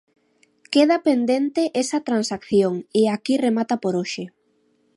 Queda pendente esa transacción, e aquí remata por hoxe.